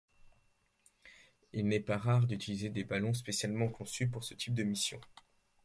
Il n'est pas rare d'utiliser des ballons spécialement conçus pour ce type de mission.